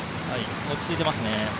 落ち着いていますね。